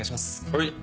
はい。